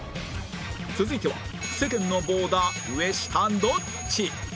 続いては世間のボーダー上下どっち？